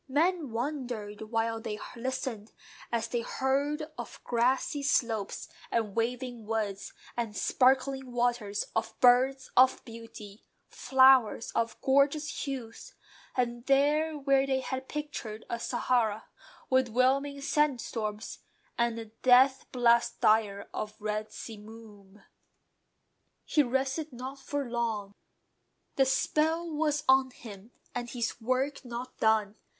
Men wondered while they listened, as they heard Of grassy slopes, and waving woods, and sparkling waters; Of birds of beauty, flowers of gorgeous hues; And these where they had pictured a Sahara, With 'whelming sandstorms, and the death blast dire Of red simoom. He rested not for long: The spell was on him, and his work not done.